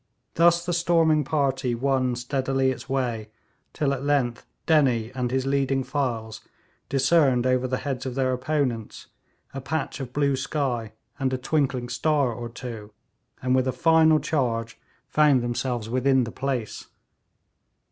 Thus the storming party won steadily its way, till at length Dennie and his leading files discerned over the heads of their opponents a patch of blue sky and a twinkling star or two, and with a final charge found themselves within the place.